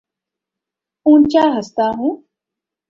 اونچا ہنستا ہوں